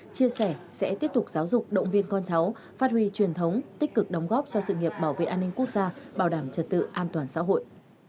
chia sẻ sẽ tiếp tục giáo dục động viên con cháu phát huy truyền thống tích cực đóng góp cho sự nghiệp bảo vệ an ninh quốc gia bảo đảm trật tự an toàn xã hội